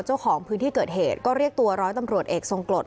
เจ้าของพื้นที่เกิดเหตุก็เรียกตัวร้อยตำรวจเอกทรงกรด